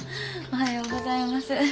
おはようございます。